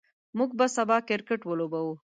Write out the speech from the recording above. موږ به سبا کرکټ ولوبو.